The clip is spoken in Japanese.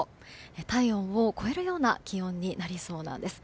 体温を超えるような気温になりそうなんです。